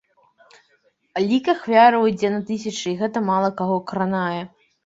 Лік ахвяраў ідзе на тысячы, і гэта мала каго кранае.